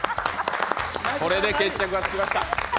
これで決着がつきました。